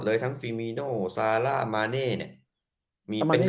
เลยทั้งชิณเรียโอซาและมะเนเนียเนี้ยมีมันต่อ